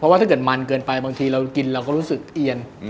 วเรากินลงที่เราก็รู้สึกเอียน